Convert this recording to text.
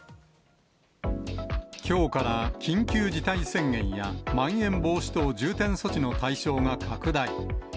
きょうから緊急事態宣言やまん延防止等重点措置の対象が拡大。